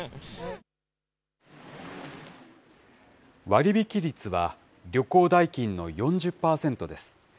割引率は旅行代金の４０％です。